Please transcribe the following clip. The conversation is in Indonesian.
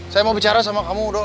saya mau bicara sama kamu